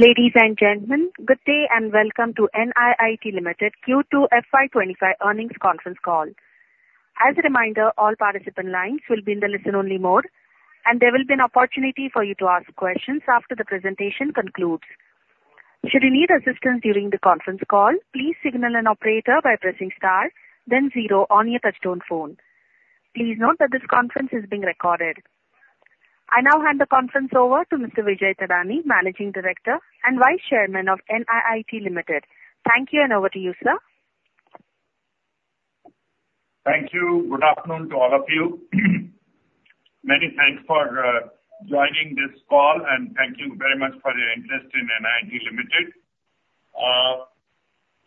Ladies and gentlemen, good day, and welcome to NIIT Limited Q2 FY 2025 Earnings Conference Call. As a reminder, all participant lines will be in the listen-only mode, and there will be an opportunity for you to ask questions after the presentation concludes. Should you need assistance during the conference call, please signal an operator by pressing star then zero on your touchtone phone. Please note that this conference is being recorded. I now hand the conference over to Mr. Vijay Thadani, Managing Director and Vice Chairman of NIIT Limited. Thank you, and over to you, sir. Thank you. Good afternoon to all of you. Many thanks for joining this call, and thank you very much for your interest in NIIT Limited.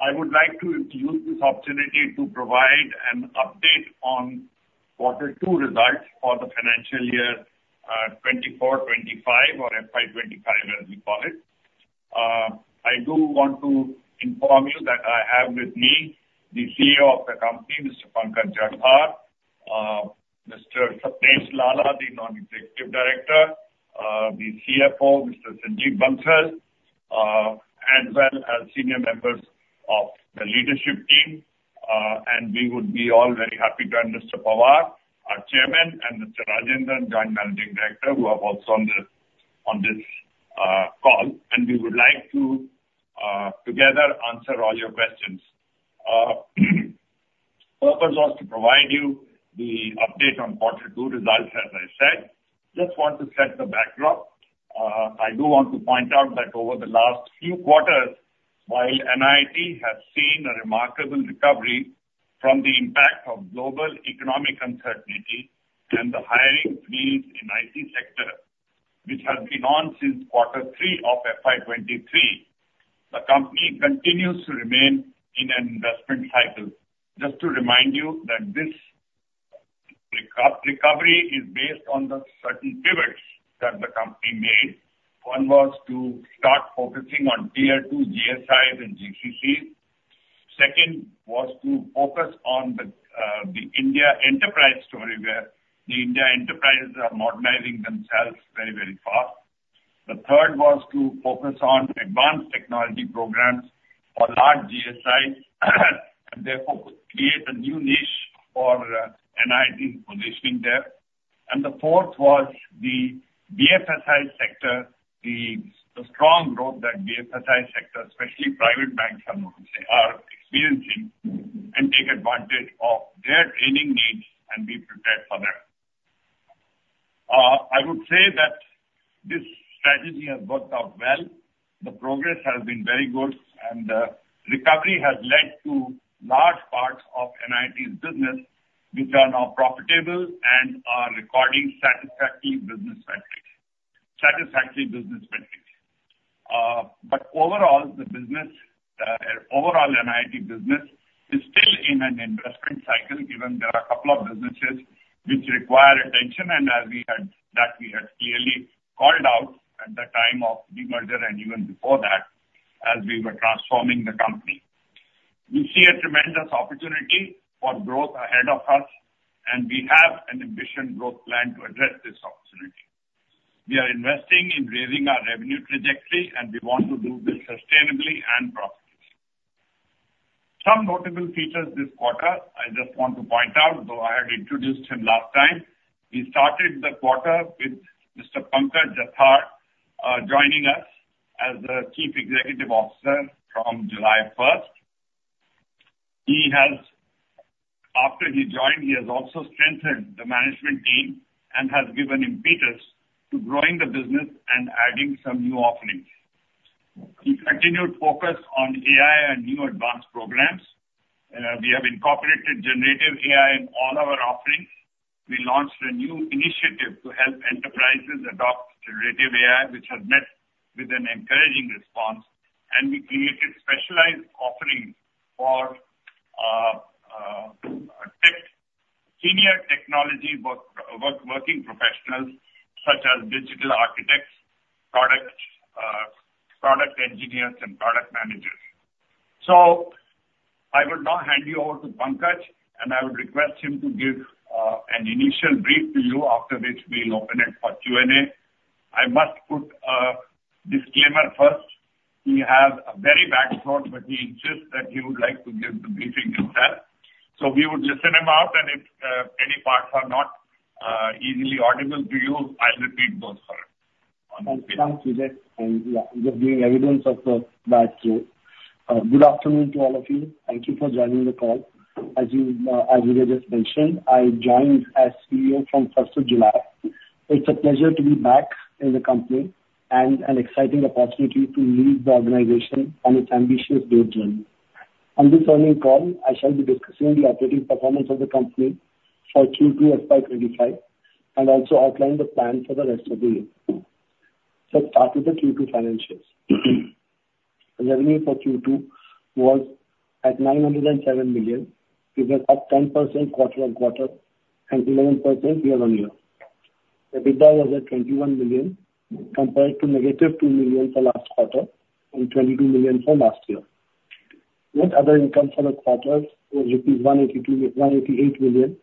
I would like to use this opportunity to provide an update on quarter two results for the financial year 2024, 2025, or FY 2025, as we call it. I do want to inform you that I have with me the CEO of the company, Mr. Pankaj Jethar; Mr. Sapnesh Lalla, the Non-Executive Director; the CFO, Mr. Sanjeev Bansal; as well as senior members of the leadership team, and we would be all very happy to have Mr. Pawar, our Chairman, and Mr. Rajendra, Joint Managing Director, who are also on this call, and we would like to together answer all your questions. Purpose was to provide you the update on quarter two results, as I said. Just want to set the backdrop. I do want to point out that over the last few quarters, while NIIT has seen a remarkable recovery from the impact of global economic uncertainty and the hiring freeze in IT sector, which has been on since quarter three of FY 2023, the company continues to remain in an investment cycle. Just to remind you that this recovery is based on the certain pivots that the company made. One was to start focusing on Tier 2 GSIs and GCCs. Second, was to focus on the India Enterprise story, where the India Enterprises are modernizing themselves very, very fast. The third was to focus on advanced technology programs for large GSIs, and therefore create a new niche for NIIT's positioning there. And the fourth was the BFSI sector, the strong growth that BFSI sector, especially private banks, are experiencing, and take advantage of their training needs and be prepared for that. I would say that this strategy has worked out well. The progress has been very good, and the recovery has led to large parts of NIIT's business, which are now profitable and are recording satisfactory business metrics. But overall, the business, overall NIIT business is still in an investment cycle, given there are a couple of businesses which require attention, and that we had clearly called out at the time of demerger and even before that, as we were transforming the company. We see a tremendous opportunity for growth ahead of us, and we have an ambitious growth plan to address this opportunity. We are investing in raising our revenue trajectory, and we want to do this sustainably and profitably. Some notable features this quarter, I just want to point out, though I had introduced him last time, we started the quarter with Mr. Pankaj Jathar joining us as the Chief Executive Officer from July first. He has. After he joined, he has also strengthened the management team and has given impetus to growing the business and adding some new offerings. We continued focus on AI and new advanced programs. We have incorporated generative AI in all our offerings. We launched a new initiative to help enterprises adopt generative AI, which has met with an encouraging response, and we created specialized offerings for senior technology working professionals, such as digital architects, product engineers, and product managers. So I will now hand you over to Pankaj, and I would request him to give an initial brief to you, after which we'll open it for Q&A. I must put a disclaimer first. He has a very bad throat, but he insists that he would like to give the briefing himself. So we would listen him out, and if any parts are not easily audible to you, I'll repeat those for him on his behalf. Thanks, Vijay, and, yeah, just being evidence of that growth. Good afternoon to all of you. Thank you for joining the call. As you, as Vijay just mentioned, I joined as CEO from first of July. It's a pleasure to be back in the company and an exciting opportunity to lead the organization on its ambitious growth journey. On this earnings call, I shall be discussing the operating performance of the company for Q2 FY 2025 and also outline the plan for the rest of the year. So start with the Q2 financials. Revenue for Q2 was at 907 million. It was up 10% quarter-on-quarter and 11% year-on-year. EBITDA was at 21 million, compared to negative 2 million for last quarter and 22 million from last year. Net other income for the quarter was rupees 182.188 million,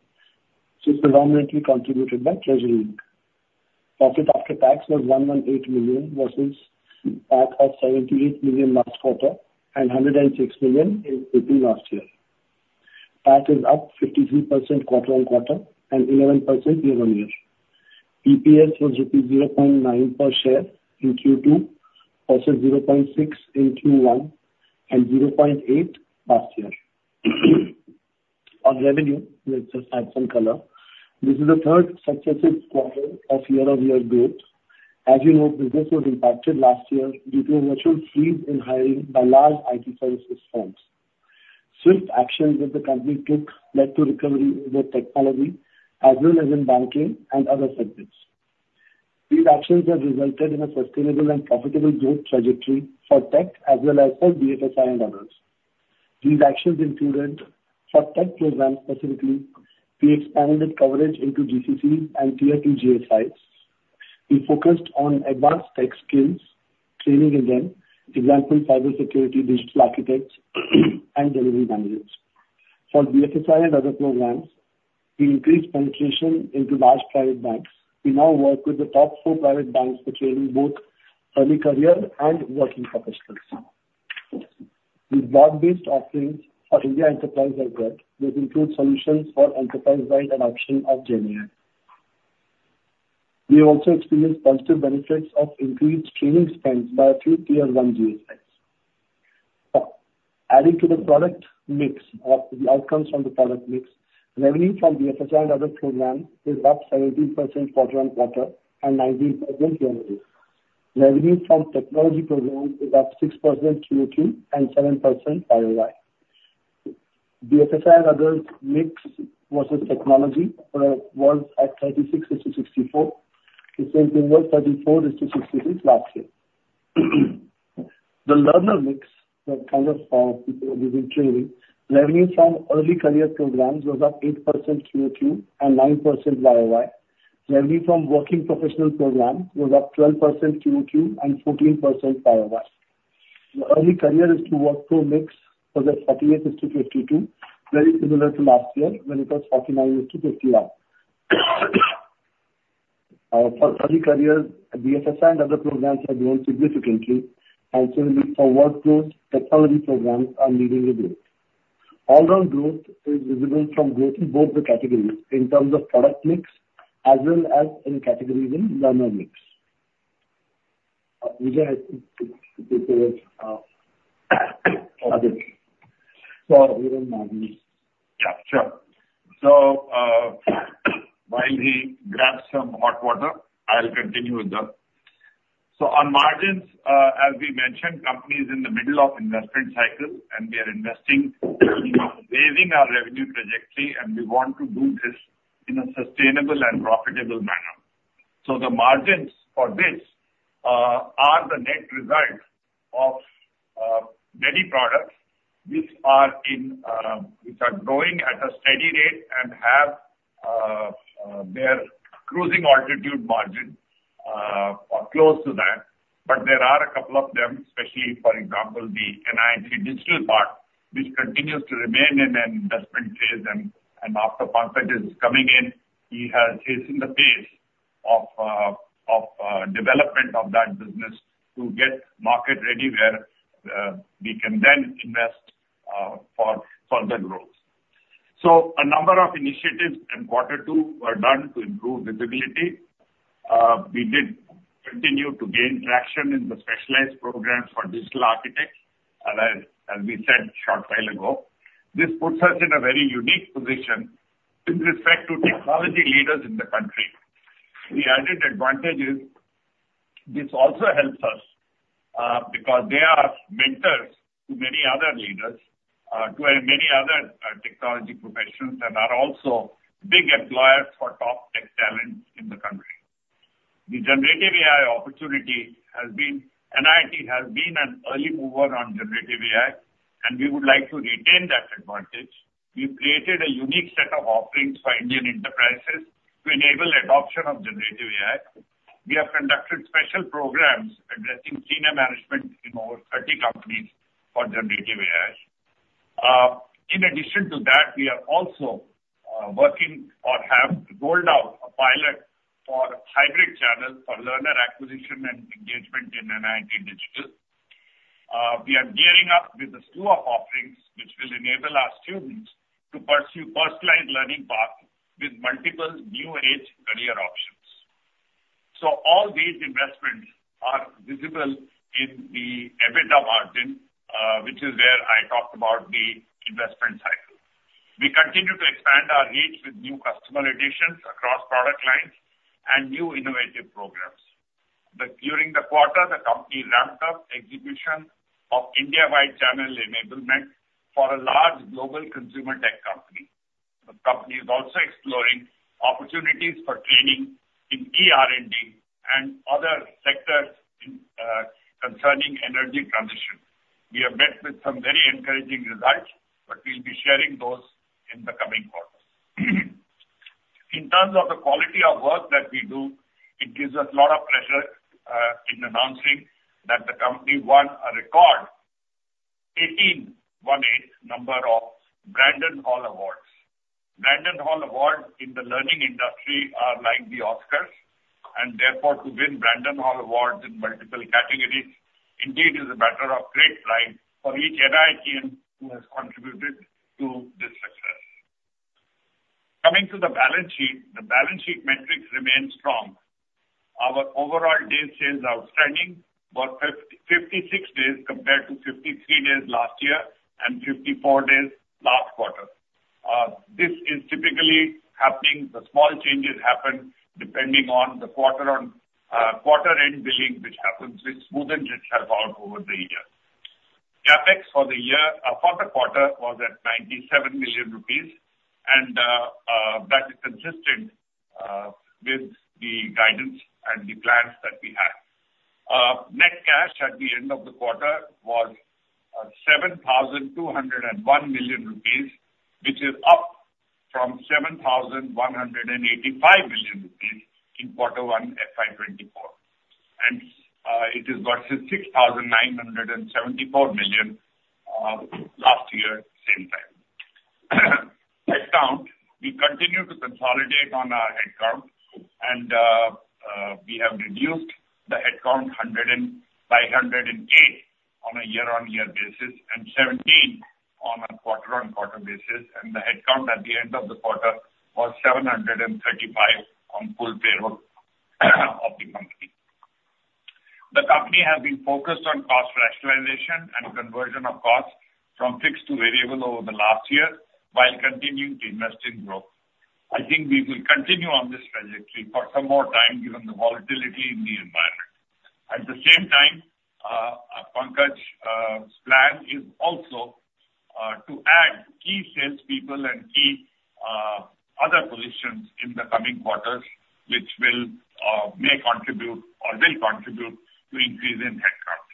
so predominantly contributed by treasury. Profit after tax was 118 million versus PAT of 78 million last quarter and 106 million in Q2 last year. PAT is up 53% quarter-on-quarter and 11% year-on-year. EPS was rupees 0.9 per share in Q2, also 0.6 in Q1 and 0.8 last year. On revenue, let's just add some color. This is the third successive quarter of year-over-year growth. As you know, business was impacted last year due to a virtual freeze in hiring by large IT services firms. Swift actions that the company took led to recovery in the technology as well as in banking and other segments. These actions have resulted in a sustainable and profitable growth trajectory for tech as well as for BFSI and others. These actions included, for tech programs specifically, we expanded coverage into GCC and Tier 2 GSIs. We focused on advanced tech skills, training in them, for example, cybersecurity, digital architects, and delivery managers. For BFSI and other programs, we increased penetration into large private banks. We now work with the top four private banks for training both early career and working professionals. We broad-based offerings for India Enterprise as well, which include solutions for enterprise-wide adoption of GenAI. We also experienced positive benefits of increased training spends by a few Tier 1 GSIs. Adding to the product mix or the outcomes from the product mix, revenue from BFSI and other programs is up 17% quarter-on-quarter and 19% year-on-year. Revenue from technology programs is up 6% Q2 and 7% YoY. BFSI and others mix versus technology was at 36%-64%, 34%-66% last year. The learner mix, the kind of people we've been training, revenue from early career programs was up 8% QOQ and 9% YoY. Revenue from working professional program was up 12% QOQ and 14% YoY. The early career to working professional mix was at 48-52, very similar to last year when it was 49-51. For early career, BFSI and other programs have grown significantly, and so the core technology programs are leading the group. All-round growth is visible from growth in both the categories in terms of product mix as well as learner mix. Vijay, I think it is okay. Even margins. Yeah, sure. So, while he grabs some hot water, I'll continue with that. So on margins, as we mentioned, company is in the middle of investment cycle, and we are investing, we are raising our revenue trajectory, and we want to do this in a sustainable and profitable manner. So the margins for this are the net result of many products which are growing at a steady rate and have their cruising altitude margin or close to that. But there are a couple of them, especially for example, the NIIT Digital part, which continues to remain in an investment phase and after Pankaj is coming in, he has chasing the pace of development of that business to get market ready, where we can then invest for further growth. So a number of initiatives in quarter two were done to improve visibility. We did continue to gain traction in the specialized programs for digital architects. And as we said short while ago, this puts us in a very unique position with respect to technology leaders in the country. The added advantage is, this also helps us because they are mentors to many other leaders, to many other technology professionals, and are also big employers for top tech talent in the country. The generative AI opportunity has been. NIIT has been an early mover on generative AI, and we would like to retain that advantage. We've created a unique set of offerings for Indian enterprises to enable adoption of generative AI. We have conducted special programs addressing senior management in over 30 companies for generative AI. In addition to that, we are also working or have rolled out a pilot for hybrid channel for learner acquisition and engagement in NIIT Digital. We are gearing up with a slew of offerings, which will enable our students to pursue personalized learning path with multiple new age career options. So all these investments are visible in the EBITDA margin, which is where I talked about the investment cycle. We continue to expand our reach with new customer additions across product lines and new innovative programs. But during the quarter, the company ramped up execution of India-wide channel enablement for a large global consumer tech company. The company is also exploring opportunities for training in ER&D and other sectors in concerning energy transition. We have met with some very encouraging results, but we'll be sharing those. In terms of the quality of work that we do, it gives us a lot of pleasure in announcing that the company won a record 18, one-eight, number of Brandon Hall Awards. Brandon Hall Awards in the learning industry are like the Oscars, and therefore, to win Brandon Hall Awards in multiple categories indeed is a matter of great pride for each NIITian who has contributed to this success. Coming to the balance sheet, the balance sheet metrics remain strong. Our overall day sales outstanding were 56 days compared to 53 days last year and 54 days last quarter. This is typically happening, the small changes happen depending on the quarter-on-quarter-end billing, which happens, which smoothens itself out over the year. CapEx for the year, for the quarter was at 97 million rupees, and that is consistent with the guidance and the plans that we have. Net cash at the end of the quarter was 7,201 million rupees, which is up from 7,185 million rupees in quarter one FY 2024, and it is versus 6,974 million last year, same time. Headcount, we continue to consolidate on our headcount and we have reduced the headcount by a hundred and eight on a year-on-year basis and 17 on a quarter-on-quarter basis, and the headcount at the end of the quarter was 735 on full payroll of the company. The company has been focused on cost rationalization and conversion of costs from fixed to variable over the last year, while continuing to invest in growth. I think we will continue on this trajectory for some more time given the volatility in the environment. At the same time, Pankaj, plan is also to add key salespeople and key other positions in the coming quarters, which will may contribute or will contribute to increase in headcount.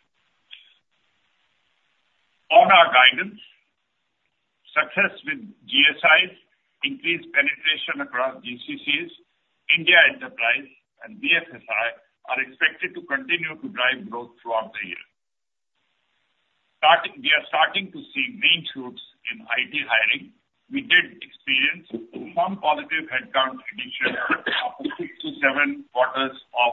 On our guidance, success with GSIs, increased penetration across GCCs, India Enterprise and BFSI are expected to continue to drive growth throughout the year. We are starting to see green shoots in IT hiring. We did experience some positive headcount addition after six to seven quarters of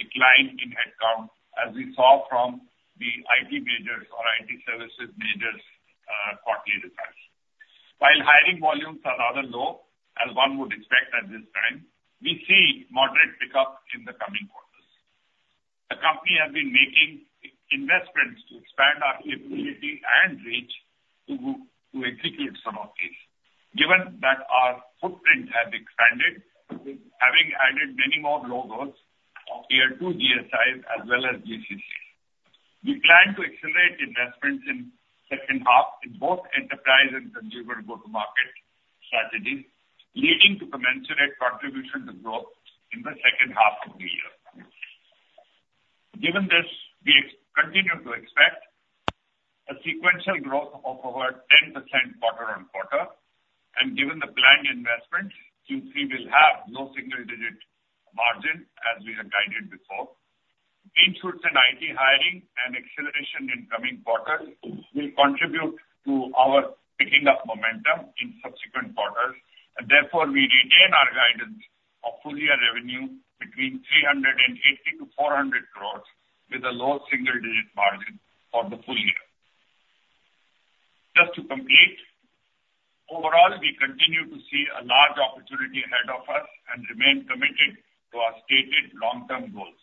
decline in headcount, as we saw from the IT majors or IT services majors' quarterly results. While hiring volumes are rather low, as one would expect at this time, we see moderate pickup in the coming quarters. The company has been making investments to expand our capability and reach to execute some of these. Given that our footprint has expanded, having added many more logos of Tier 2 GSIs as well as GCCs. We plan to accelerate investments in second half in both enterprise and consumer go-to-market strategies, leading to commensurate contribution to growth in the second half of the year. Given this, we continue to expect a sequential growth of over 10% quarter-on-quarter, and given the planned investment, Q3 will have low single digit margin, as we have guided before. Green shoots in IT hiring and acceleration in coming quarters will contribute to our picking up momentum in subsequent quarters, and therefore we retain our guidance of full year revenue between 380 crore-400 crores, with a low single-digit margin for the full year. Just to complete, overall, we continue to see a large opportunity ahead of us and remain committed to our stated long-term goals.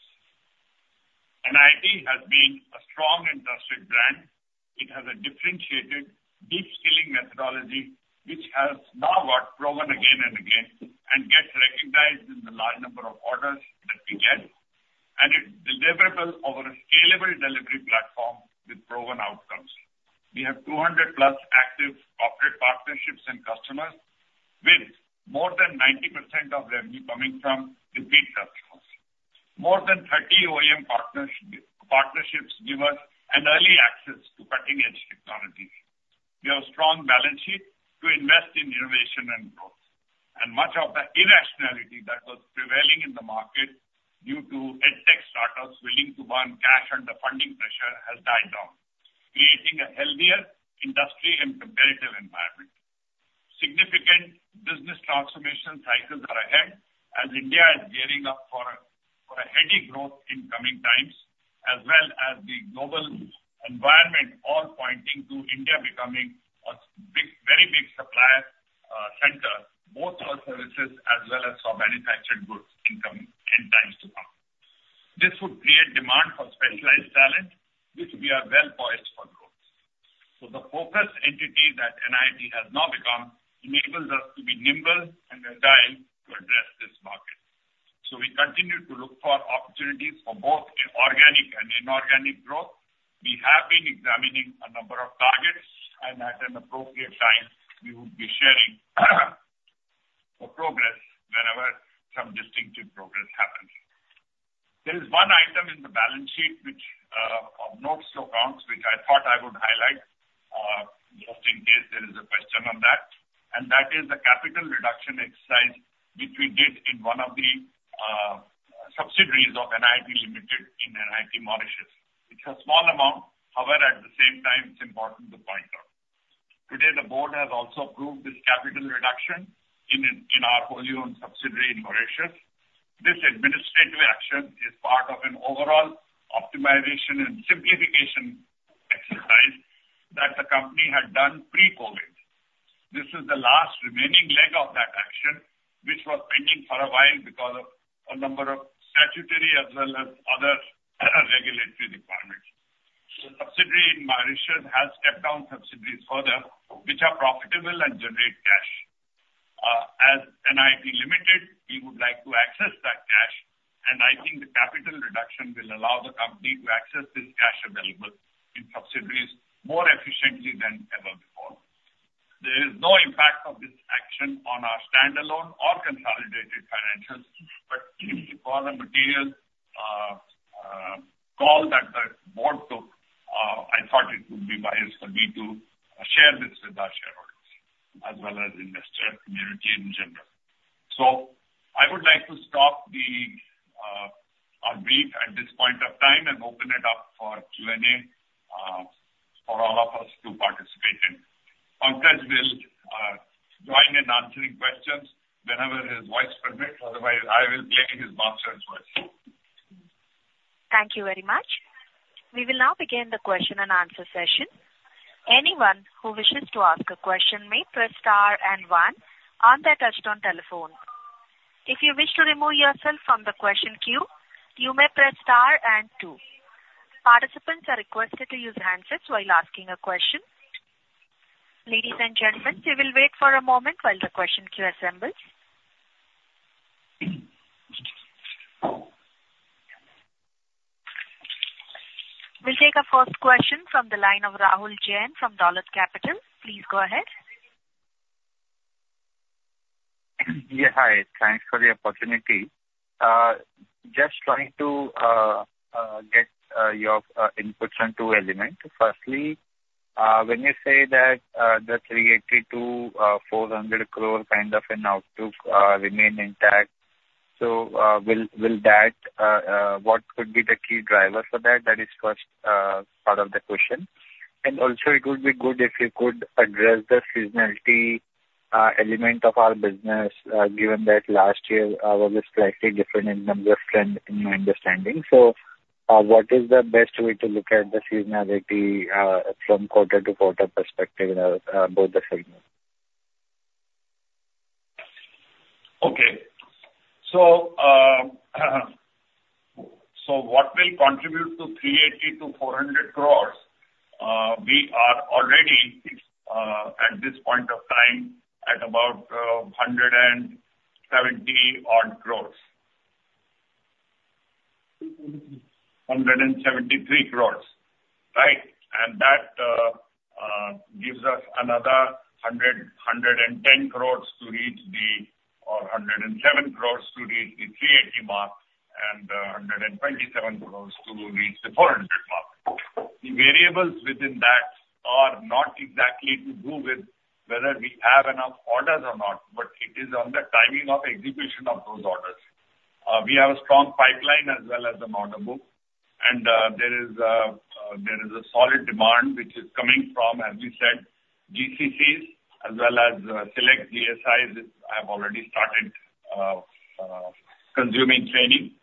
NIIT has been a strong industry brand. It has a differentiated, deep skilling methodology, which has now got proven again and again and gets recognized in the large number of orders that we get, and it's deliverable over a scalable delivery platform with proven outcomes. We have 200+ active corporate partnerships and customers, with more than 90% of revenue coming from repeat customers. More than 30 OEM partnerships give us an early access to cutting-edge technologies. We have strong balance sheet to invest in innovation and growth, and much of the irrationality that was prevailing in the market due to EdTech startups willing to burn cash under funding pressure has died down, creating a healthier industry and competitive environment. Significant business transformation cycles are ahead as India is gearing up for a heady growth in coming times, as well as the global environment all pointing to India becoming a big, very big supplier center, both for services as well as for manufactured goods in coming, in times to come. This would create demand for specialized talent, which we are well poised for growth. So the focused entity that NIIT has now become enables us to be nimble and agile to address this market. So we continue to look for opportunities for both organic and inorganic growth. We have been examining a number of targets, and at an appropriate time, we will be sharing the progress whenever some distinctive progress happens. There is one item in the balance sheet which notes accounts, which I thought I would highlight. There is a question on that, and that is the capital reduction exercise which we did in one of the subsidiaries of NIIT Limited in NIIT Mauritius. It's a small amount, however, at the same time, it's important to point out. Today, the board has also approved this capital reduction in our wholly owned subsidiary in Mauritius. This administrative action is part of an overall optimization and simplification exercise that the company had done pre-COVID. This is the last remaining leg of that action, which was pending for a while because of a number of statutory as well as other regulatory requirements. The subsidiary in Mauritius has stepped down subsidiaries further, which are profitable and generate cash. As NIIT Limited, we would like to access that cash, and I think the capital reduction will allow the company to access this cash available in subsidiaries more efficiently than ever before. There is no impact of this action on our standalone or consolidated financials, but it is for the material, call that the board took. I thought it would be wise for me to share this with our shareholders, as well as investor community in general. So I would like to stop the, our brief at this point of time and open it up for Q&A, for all of us to participate in. Pankaj will join in answering questions whenever his voice permits, otherwise I will play his master's voice. Thank you very much. We will now begin the question and answer session. Anyone who wishes to ask a question may press star and one on their touchtone telephone. If you wish to remove yourself from the question queue, you may press star and two. Participants are requested to use handsets while asking a question. Ladies and gentlemen, we will wait for a moment while the question queue assembles. We'll take our first question from the line of Rahul Jain from Dolat Capital. Please go ahead. Yeah, hi. Thanks for the opportunity. Just trying to get your inputs on two elements. Firstly, when you say that the 380 crore-400 crore kind of an outlook remain intact, so what could be the key driver for that? That is first part of the question. And also, it would be good if you could address the seasonality element of our business, given that last year was slightly different in numbers trend, in my understanding. So, what is the best way to look at the seasonality from quarter-to-quarter perspective both the segments? Okay. So, what will contribute to 380-400 crores? We are already, at this point of time, at about 170 odd crores. 173 crores, right? And that gives us another 100 crore, 110 crores to reach the... or 107 crores to reach the 380 mark, and 127 crores to reach the 400 mark. The variables within that are not exactly to do with whether we have enough orders or not, but it is on the timing of execution of those orders. We have a strong pipeline as well as an order book, and there is a solid demand which is coming from, as we said, GCCs as well as select GSIs, which I have already started consuming training.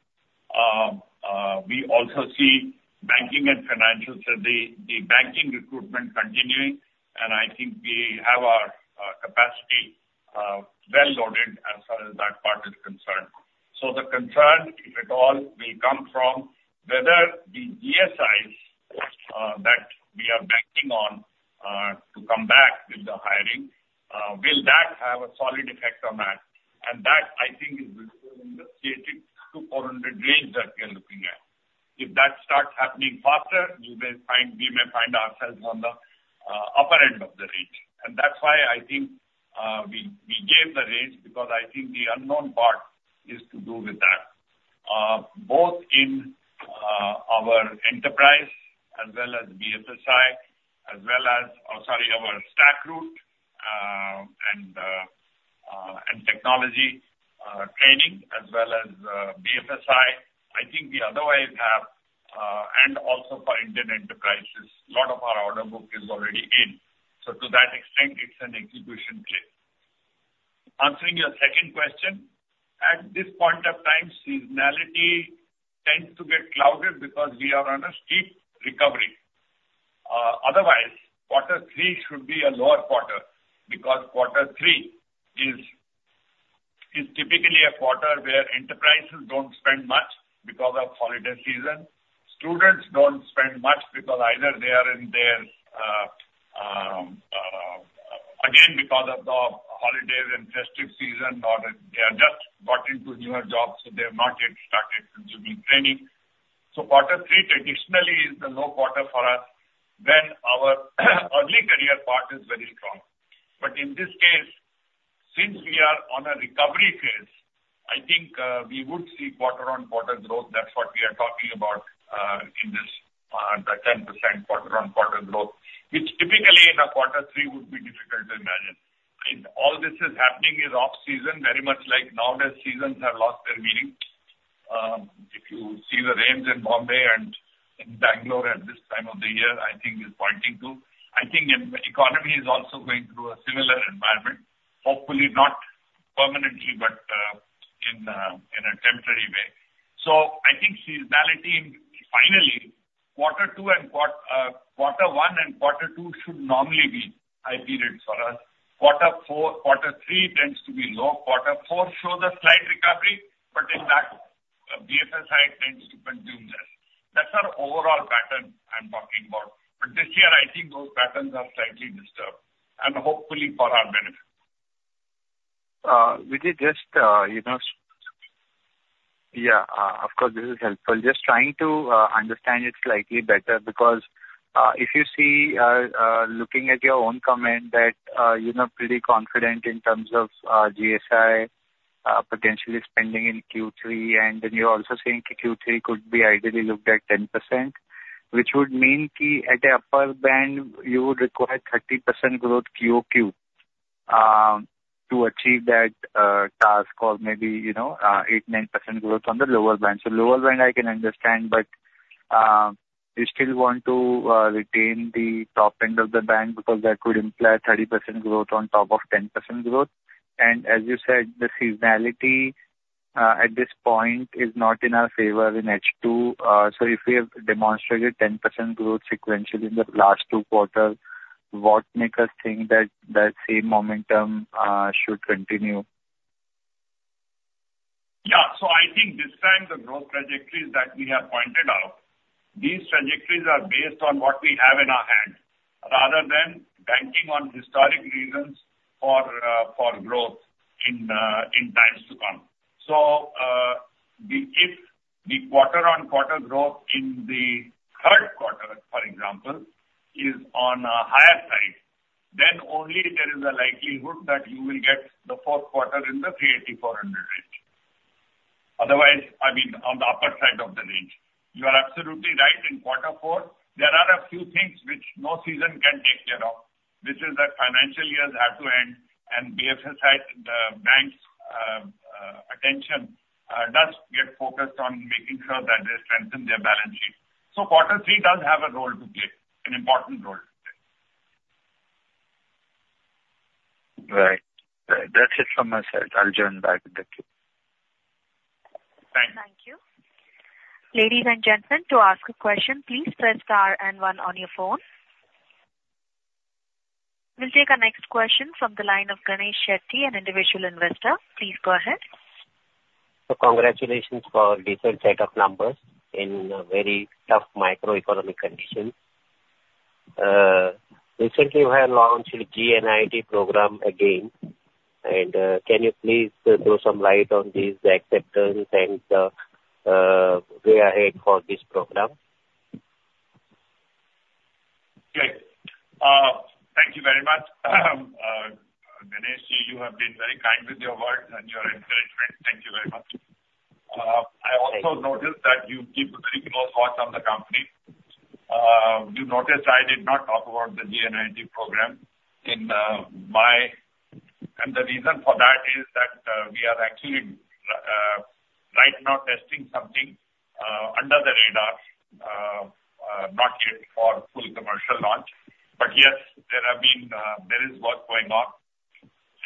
We also see banking and financial, so the banking recruitment continuing, and I think we have our capacity well loaded as far as that part is concerned. The concern, if at all, will come from whether the ESIs that we are banking on to come back with the hiring will that have a solid effect on that. That, I think, is within the 380-400 range that we are looking at. If that starts happening faster, we may find ourselves on the upper end of the range. That's why I think we gave the range, because I think the unknown part is to do with that. Both in our enterprise as well as BFSI, as well as... Oh, sorry, our StackRoute and technology training as well as BFSI. I think the other ways have and also for Indian enterprises, a lot of our order book is already in. So to that extent, it's an execution play. Answering your second question, at this point of time, seasonality tends to get clouded because we are on a steep recovery. Otherwise, quarter three should be a lower quarter, because quarter three is typically a quarter where enterprises don't spend much because of holiday season. Students don't spend much because either they are in their again, because of the holiday and festive season, or they have just got into newer jobs, so they have not yet started consuming training. So quarter three traditionally is the low quarter for us when our early career part is very strong. Since we are on a recovery phase, I think we would see quarter-on-quarter growth. That's what we are talking about in this the 10% quarter-on-quarter growth, which typically in a quarter three would be difficult to imagine. And all this is happening is off season, very much like nowadays, seasons have lost their meaning. If you see the rains in Bombay and in Bangalore at this time of the year, I think is pointing to. I think in the economy is also going through a similar environment, hopefully not permanently, but in a temporary way. So I think seasonality, finally, quarter two and quarter one and quarter two should normally be high periods for us. Quarter four, quarter three tends to be low. Quarter four shows a slight recovery, but in that, BFSI tends to consume less. That's our overall pattern I'm talking about. But this year I think those patterns are slightly disturbed and hopefully for our benefit. We did just, you know. Yeah, of course, this is helpful. Just trying to understand it slightly better, because if you see, looking at your own comment that you're not pretty confident in terms of GSI potentially spending in Q3, and then you're also saying Q3 could be ideally looked at 10%, which would mean at the upper band, you would require 30% growth QoQ to achieve that task, or maybe, you know, 8-9% growth on the lower band, so lower band I can understand, but you still want to retain the top end of the band, because that could imply 30% growth on top of 10% growth, and as you said, the seasonality at this point is not in our favor in H2. So if we have demonstrated 10% growth sequentially in the last two quarters, what make us think that the same momentum should continue? Yeah. So I think this time, the growth trajectories that we have pointed out. These trajectories are based on what we have in our hand, rather than banking on historic reasons for growth in times to come. So, if the quarter-on-quarter growth in the third quarter, for example, is on a higher side, then only there is a likelihood that you will get the fourth quarter in the 380-400 range. Otherwise, I mean, on the upper side of the range. You are absolutely right. In quarter four, there are a few things which no season can take care of. This is that financial years have to end, and BFSI, the banks' attention, does get focused on making sure that they strengthen their balance sheet. Quarter three does have a role to play, an important role to play. Right. Right. That's it from my side. I'll join back with the queue. Thank you. Thank you. Ladies and gentlemen, to ask a question, please press star and one on your phone. We'll take our next question from the line of Ganesh Shetty, an individual investor. Please go ahead. Congratulations for a different set of numbers in a very tough macroeconomic condition. Recently we have launched a gNIIT program again, and can you please throw some light on this, the acceptance and way ahead for this program? Great. Thank you very much. Ganesh, you have been very kind with your words and your encouragement. Thank you very much. I also noticed that you keep a very close watch on the company. You noticed I did not talk about the gNIIT program in my... and the reason for that is that we are actually right now testing something under the radar, not yet for full commercial launch. But yes, there have been, there is work going on,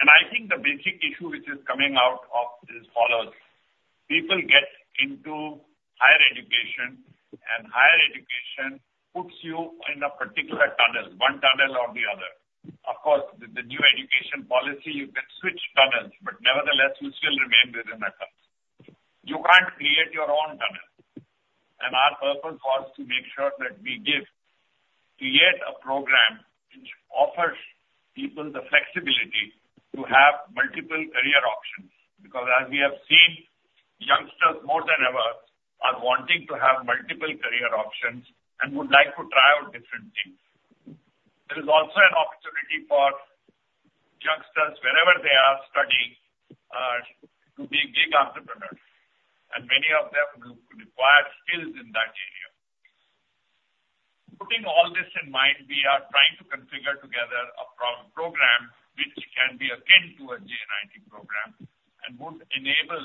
and I think the basic issue which is coming out of this follows: People get into higher education, and higher education puts you in a particular tunnel, one tunnel or the other. Of course, with the new education policy, you can switch tunnels, but nevertheless, you still remain within a tunnel. You can't create your own tunnel. Our purpose was to make sure that we give, create a program which offers people the flexibility to have multiple career options, because as we have seen, youngsters, more than ever, are wanting to have multiple career options and would like to try out different things. There is also an opportunity for youngsters, wherever they are studying, to be gig entrepreneurs, and many of them will require skills in that area. Putting all this in mind, we are trying to configure together a program which can be akin to a gNIIT program and would enable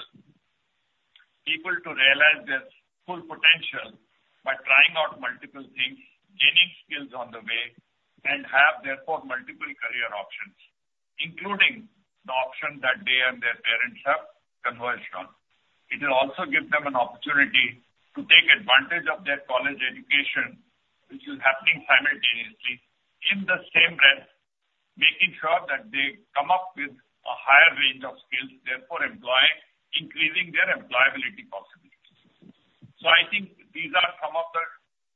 people to realize their full potential by trying out multiple things, gaining skills on the way, and have, therefore, multiple career options, including the option that they and their parents have converged on. It will also give them an opportunity to take advantage of their college education, which is happening simultaneously, in the same breath, making sure that they come up with a higher range of skills, therefore, increasing their employability possibilities. So I think these are some of the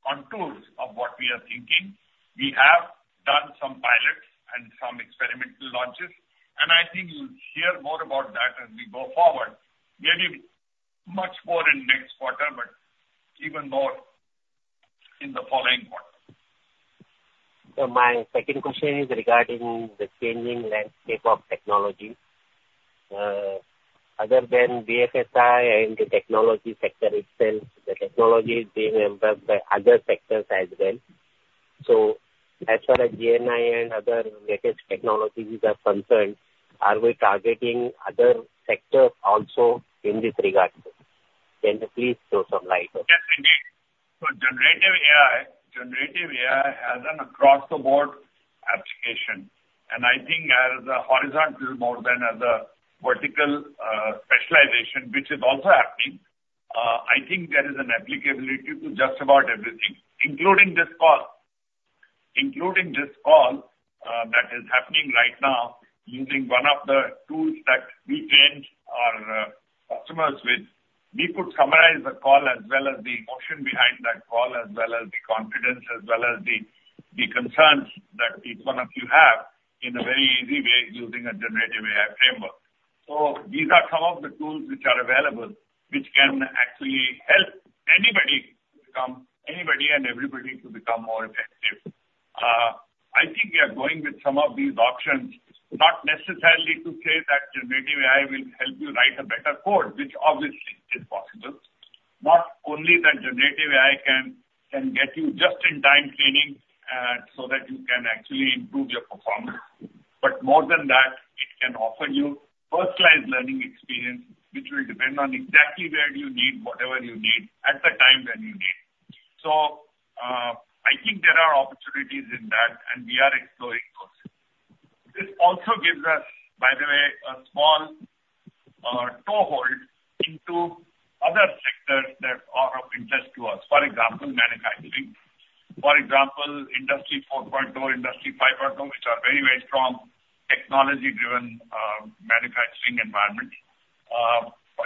contours of what we are thinking. We have done some pilots and some experimental launches, and I think you'll hear more about that as we go forward. Maybe much more in next quarter, but even more in the following quarters.... So my second question is regarding the changing landscape of technology. Other than BFSI and the technology sector itself, the technology is being embraced by other sectors as well. So as far as GenAI and other latest technologies are concerned, are we targeting other sectors also in this regard? Can you please throw some light on? Yes, indeed. So generative AI, generative AI has an across the board application, and I think as a horizontal more than as a vertical, specialization, which is also happening. I think there is an applicability to just about everything, including this call. Including this call, that is happening right now, using one of the tools that we trained our customers with. We could summarize the call as well as the emotion behind that call, as well as the confidence, as well as the concerns that each one of you have in a very easy way using a generative AI framework. So these are some of the tools which are available which can actually help anybody become anybody and everybody to become more effective. I think we are going with some of these options, not necessarily to say that generative AI will help you write a better code, which obviously is possible. Not only that generative AI can get you just in time training, so that you can actually improve your performance, but more than that, it can offer you personalized learning experience, which will depend on exactly where you need, whatever you need, at the time when you need. So, I think there are opportunities in that, and we are exploring those. This also gives us, by the way, a small toehold into other sectors that are of interest to us. For example, manufacturing. For example, Industry 4.0, Industry 5.0, which are very, very strong technology-driven manufacturing environments.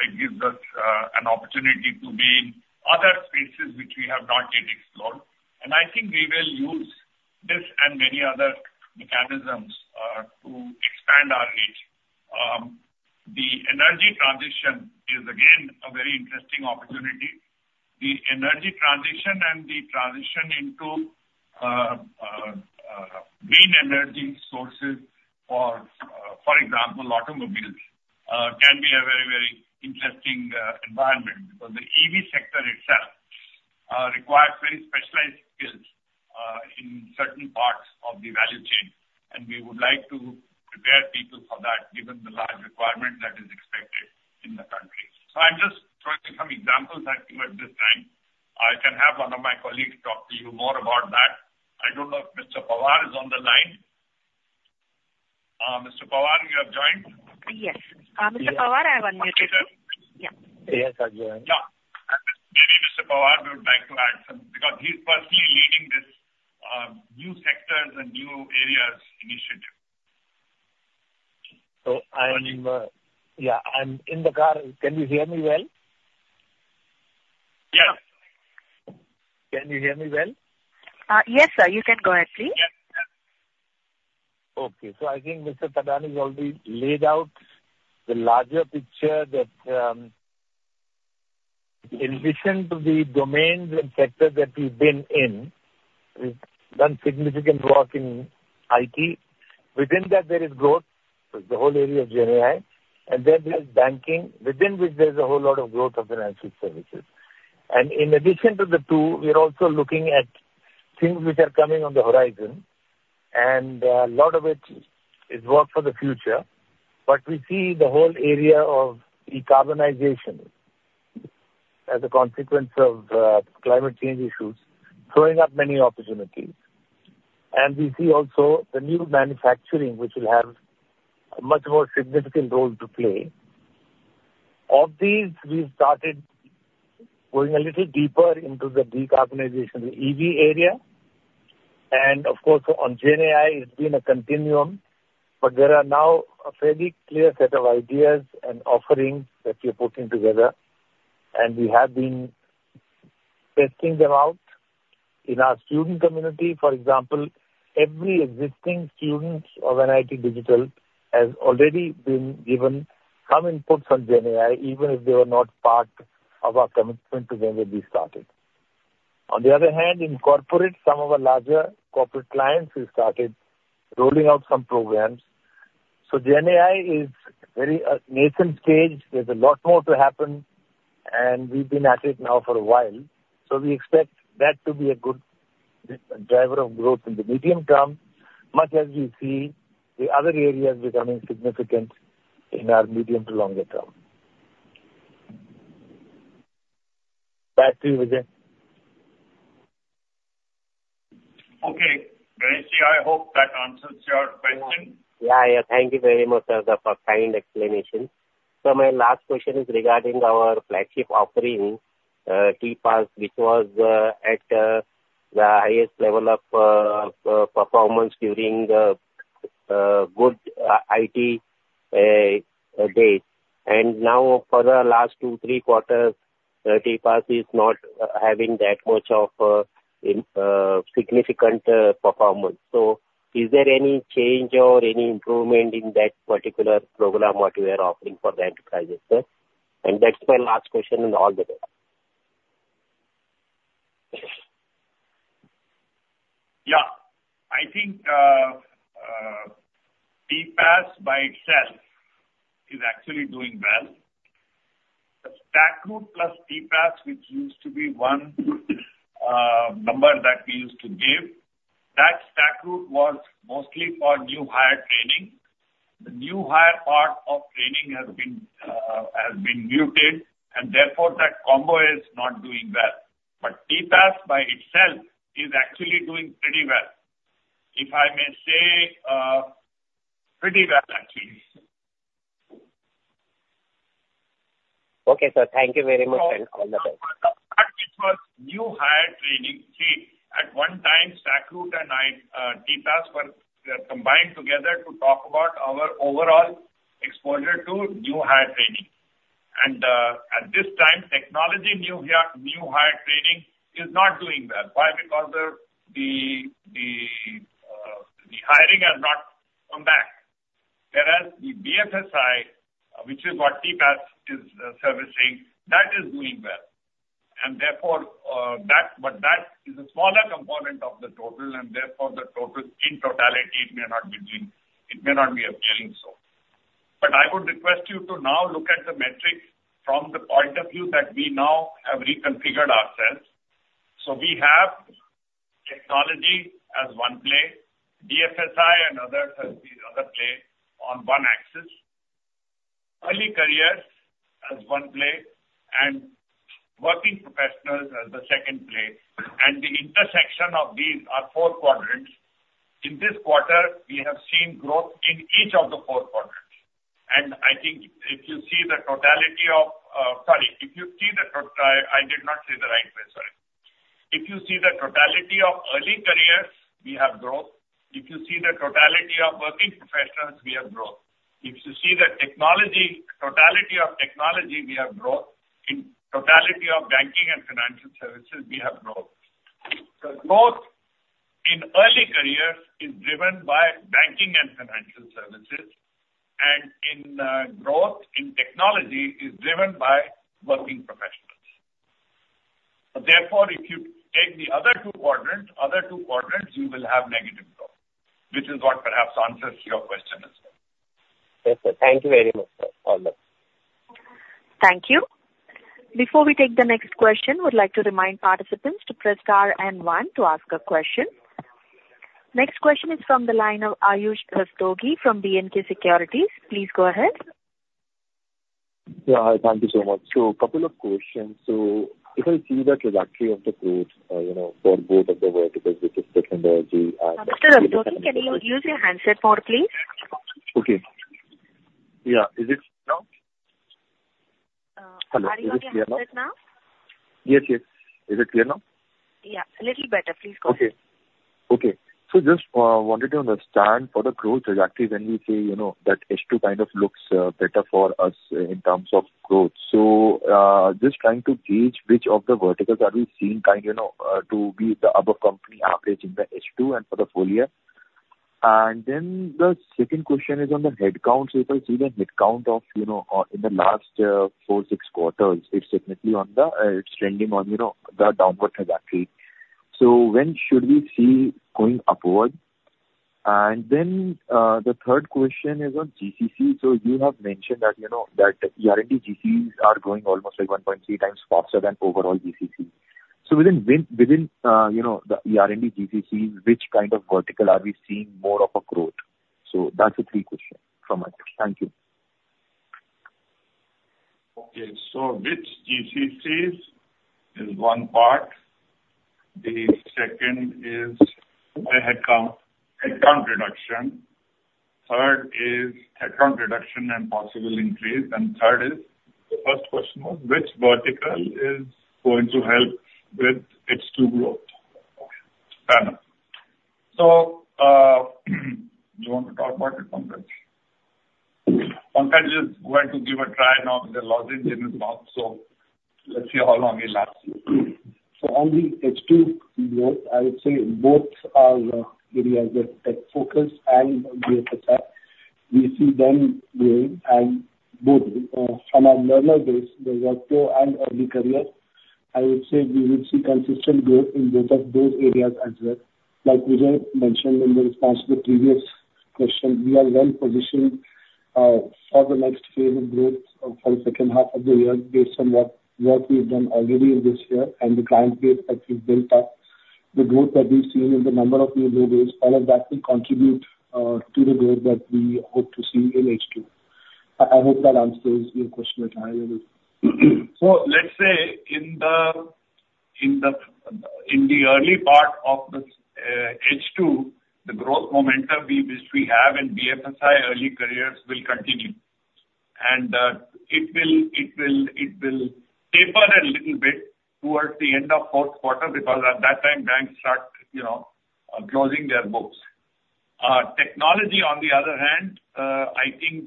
It gives us an opportunity to be in other spaces which we have not yet explored, and I think we will use this and many other mechanisms to expand our reach. The energy transition is, again, a very interesting opportunity. The energy transition and the transition into green energy sources for, for example, automobiles, can be a very, very interesting environment because the EV sector itself requires very specialized skills in certain parts of the value chain, and we would like to prepare people for that, given the large requirement that is expected in the country. So I'm just throwing some examples at you at this time. I can have one of my colleagues talk to you more about that. I don't know if Mr. Pawar is on the line. Mr. Pawar, you have joined? Yes. Mr. Pawar, I have unmuted you. Okay, sir? Yeah. Yes, I've joined. Yeah. Maybe, Mr. Pawar, would like to add some, because he's personally leading this, new sectors and new areas initiative. So I'm, yeah, I'm in the car. Can you hear me well? Yes. Can you hear me well? Yes, sir. You can go ahead, please. Yes, yes. Okay, so I think Mr. Thadani has already laid out the larger picture, that, in addition to the domains and sectors that we've been in, we've done significant work in IT. Within that, there is growth, the whole area of GenAI, and then there's banking, within which there's a whole lot of growth of the financial services. And in addition to the two, we are also looking at things which are coming on the horizon, and, a lot of it is work for the future. But we see the whole area of decarbonization as a consequence of, climate change issues, throwing up many opportunities. And we see also the new manufacturing, which will have a much more significant role to play. Of these, we've started going a little deeper into the decarbonization, the EV area. And of course, on GenAI, it's been a continuum, but there are now a fairly clear set of ideas and offerings that we're putting together, and we have been testing them out in our student community. For example, every existing students of NIIT Digital has already been given some inputs on GenAI, even if they were not part of our commitment to them when we started. On the other hand, in corporate, some of our larger corporate clients, we started rolling out some programs. So GenAI is very nascent stage. There's a lot more to happen, and we've been at it now for a while, so we expect that to be a good driver of growth in the medium term, much as we see the other areas becoming significant in our medium to longer term. Back to you, Vijay. Okay. Ganesh, I hope that answers your question. Yeah, yeah. Thank you very much, sir, for kind explanation. So my last question is regarding our flagship offering, TPaaS, which was at the highest level of performance during good IT days. And now for the last two, three quarters, TPaaS is not having that much of significant performance. So is there any change or any improvement in that particular program, what we are offering for the enterprises, sir? And that's my last question and all the best. Yeah, I think, TPaaS by itself is actually doing well. But StackRoute plus TPaaS, which used to be one, number that we used to give, that StackRoute was mostly for new hire training. The new hire part of training has been muted, and therefore that combo is not doing well. But TPaaS by itself is actually doing pretty well, if I may say, pretty well actually. Okay, sir. Thank you very much and all the best. But it was new hire training. See, at one time, StackRoute and TPaaS were combined together to talk about our overall exposure to new hire training. And at this time, technology new hire training is not doing well. Why? Because the hiring has not come back, whereas the BFSI, which is what TPaaS is servicing, that is doing well, and therefore, but that is a smaller component of the total, and therefore the total, in totality, it may not be doing. It may not be appealing so. But I would request you to now look at the metrics from the point of view that we now have reconfigured ourselves. So we have technology as one play, BFSI and other services, other play on one axis, early careers as one play, and working professionals as the second play, and the intersection of these are four quadrants. In this quarter, we have seen growth in each of the four quadrants, and I think if you see the totality of early careers, we have growth. If you see the totality of working professionals, we have growth. If you see the technology, totality of technology, we have growth. In totality of banking and financial services, we have growth. The growth in early careers is driven by banking and financial services, and in growth in technology is driven by working professionals. Therefore, if you take the other two quadrants, other two quadrants, you will have negative growth, which is what perhaps answers your question as well. Yes, sir. Thank you very much, sir. All the best. Thank you. Before we take the next question, we'd like to remind participants to press star and one to ask a question. Next question is from the line of Ayush Rastogi from Dolat Capital. Please go ahead. Yeah, hi. Thank you so much. So couple of questions. So if I see the trajectory of the growth, you know, for both of the verticals, which is technology and- Mr. Rastogi, can you use your handset more, please? Okay. Yeah. Is it now? Hello, is it clear now? Are you on your handset now? Yes, yes. Is it clear now? Yeah, a little better. Please go on. Okay. So just wanted to understand for the growth trajectory, when we say, you know, that H2 kind of looks better for us in terms of growth. So just trying to gauge which of the verticals are we seeing kind of, you know, to be the above company average in the H2 and for the full year? And then the second question is on the headcount. So if I see the headcount of, you know, in the last four, six quarters, it's definitely trending on, you know, the downward trajectory. So when should we see going upward? And then the third question is on GCC. So you have mentioned that, you know, that the R&D GCC are growing almost like one point three times faster than overall GCC. So within, you know, the R&D GCC, which kind of vertical are we seeing more of a growth? So that's the third question from my side. Thank you. Okay, so which GCCs is one part. The second is the headcount, headcount reduction. Third is headcount reduction and possible increase. And third is, the first question was, which vertical is going to help with H2 growth? Okay, fair enough. So, do you want to talk about it, Pankaj? Pankaj is going to give a try now with the logic in his mouth, so let's see how long it lasts. On the H2 growth, I would say both our areas, the tech focus and BFSI, we see them growing. Both, from a learner base, the worker and early career, I would say we will see consistent growth in both of those areas as well. Like Vijay mentioned in the response to the previous question, we are well positioned for the next phase of growth for the second half of the year, based on what we've done already in this year and the client base that we've built up. The growth that we've seen in the number of new logos, all of that will contribute to the growth that we hope to see in H2. I hope that answers your question at a high level. So let's say in the early part of this H2, the growth momentum which we have in BFSI early careers will continue. And it will taper a little bit towards the end of fourth quarter, because at that time, banks start, you know, closing their books. Technology, on the other hand, I think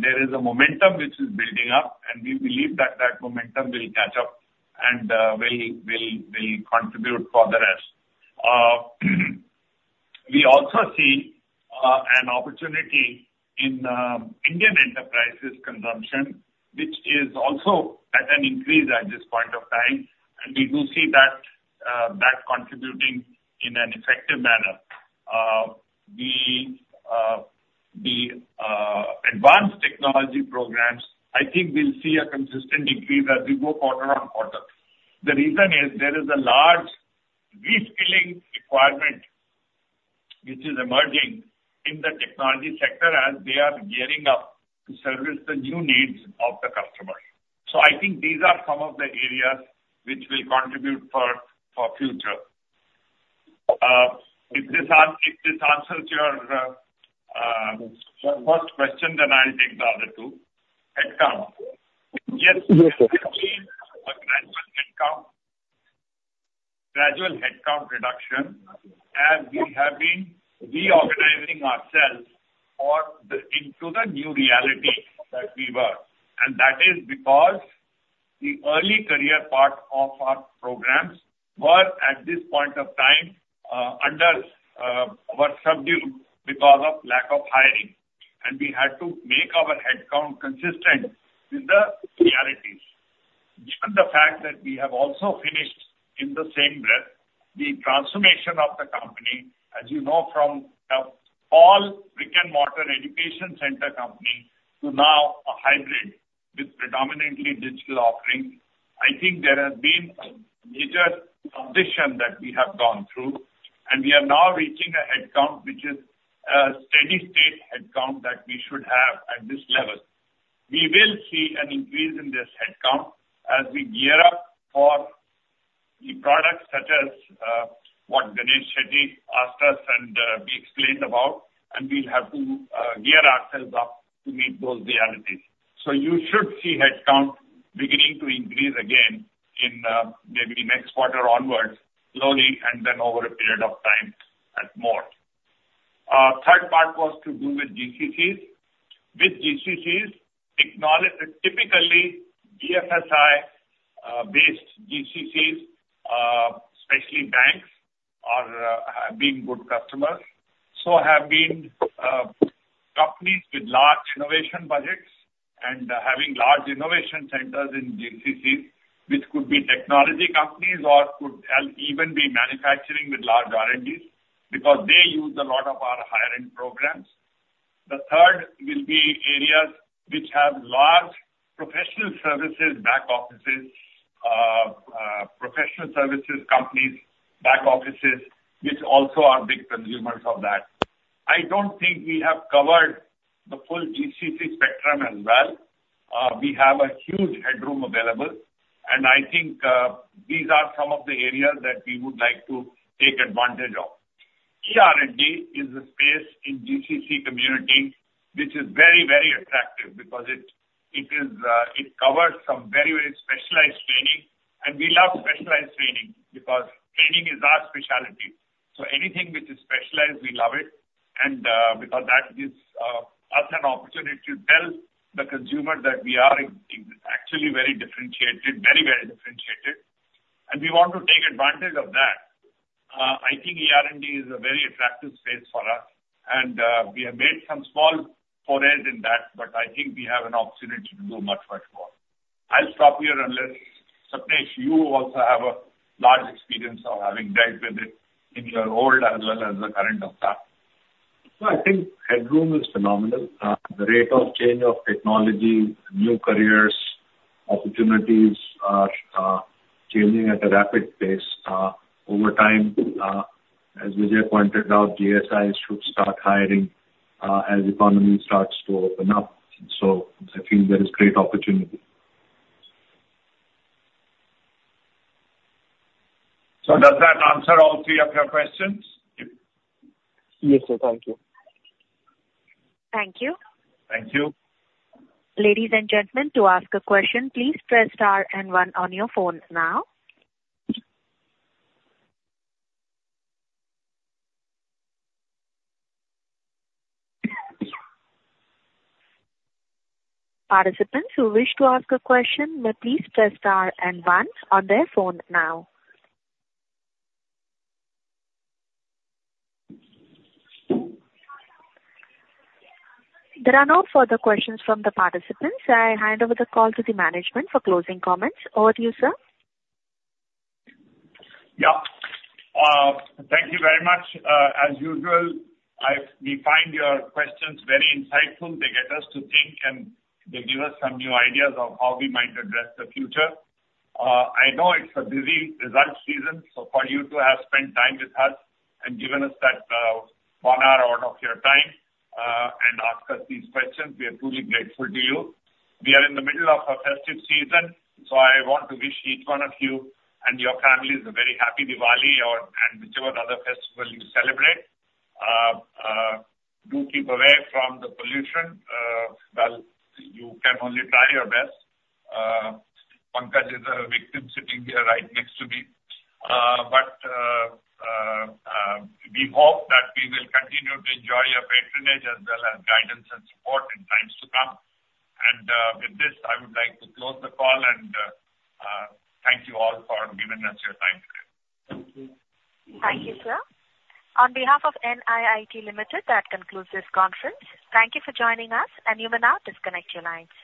there is a momentum which is building up, and we believe that that momentum will catch up, and will contribute for the rest. We also see an opportunity in Indian enterprises consumption, which is also at an increase at this point of time, and we do see that that contributing in an effective manner. The advanced technology programs, I think we'll see a consistent increase as we go quarter-on-quarter. The reason is there is a large reskilling requirement which is emerging in the technology sector as they are gearing up to service the new needs of the customer. So I think these are some of the areas which will contribute for future. If this answers your first question, then I'll take the other two. Headcount. Yes. Yes, sir. Gradual headcount, gradual headcount reduction, as we have been reorganizing ourselves for the into the new reality that we were, and that is because the early career part of our programs were at this point of time subdued because of lack of hiring, and we had to make our headcount consistent with the realities. Given the fact that we have also finished, in the same breath, the transformation of the company, as you know, from the all brick-and-mortar education center company to now a hybrid with predominantly digital offerings, I think there has been a major transition that we have gone through, and we are now reaching a headcount which is a steady state headcount that we should have at this level. We will see an increase in this headcount as we gear up for the products such as what Ganesh Shetty asked us and we explained about, and we'll have to gear ourselves up to meet those realities, so you should see headcount beginning to increase again in maybe next quarter onwards, slowly, and then over a period of time and more. Third part was to do with GCCs. With GCCs, typically, BFSI based GCCs, especially banks, are have been good customers. So have been companies with large innovation budgets and having large innovation centers in GCCs, which could be technology companies or could even be manufacturing with large R&Ds, because they use a lot of our hiring programs. The third will be areas which have large professional services back offices, professional services companies, back offices, which also are big consumers of that. I don't think we have covered the full GCC spectrum as well. We have a huge headroom available, and I think, these are some of the areas that we would like to take advantage of. ER&D is a space in GCC community which is very, very attractive because it, it is, it covers some very, very specialized training, and we love specialized training because training is our specialty. So anything which is specialized, we love it. Because that gives us an opportunity to tell the consumer that we are in, actually very differentiated, very, very differentiated, and we want to take advantage of that. I think ER&D is a very attractive space for us, and we have made some small forays in that, but I think we have an opportunity to do much, much more. I'll stop here unless, Sapnesh, you also have a large experience of having dealt with it in your role as well as the current of that. No, I think headroom is phenomenal. The rate of change of technology, new careers, opportunities are changing at a rapid pace. Over time, as Vijay pointed out, GSIs should start hiring, as economy starts to open up. So I think there is great opportunity. So does that answer all three of your questions? Yes, sir. Thank you. Thank you. Thank you. Ladies and gentlemen, to ask a question, please press star and one on your phone now. Participants who wish to ask a question may please press star and one on their phone now. There are no further questions from the participants. I hand over the call to the management for closing comments. Over to you, sir. Yeah. Thank you very much. As usual, I, we find your questions very insightful. They get us to think, and they give us some new ideas on how we might address the future. I know it's a busy results season, so for you to have spent time with us and given us that, one hour out of your time, and ask us these questions, we are truly grateful to you. We are in the middle of a festive season, so I want to wish each one of you and your families a very happy Diwali or, and whichever other festival you celebrate. Do keep away from the pollution. Well, you can only try your best. Pankaj is a victim sitting here right next to me. We hope that we will continue to enjoy your patronage as well as guidance and support in times to come, and with this, I would like to close the call and thank you all for giving us your time today. Thank you. Thank you, sir. On behalf of NIIT Limited, that concludes this conference. Thank you for joining us, and you may now disconnect your lines.